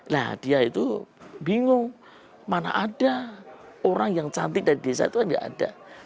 nah dia itu bingung mana ada orang yang cantik dari desa itu kan tidak ada